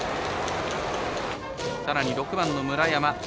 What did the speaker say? さらに６番の村山。